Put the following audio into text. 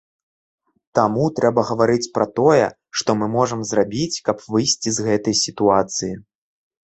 Таму трэба гаварыць пра тое, што мы можам зрабіць, каб выйсці з гэтай сітуацыі.